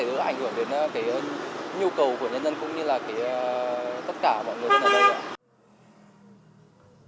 để ảnh hưởng đến cái nhu cầu của nhân dân cũng như là tất cả bọn người dân ở đây